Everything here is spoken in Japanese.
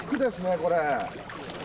これ。